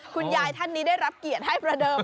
คุณยายท่านนี้ได้รับเกียรติให้ประเดิม